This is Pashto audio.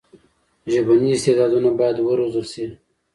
ژبني استعدادونه باید وروزل سي.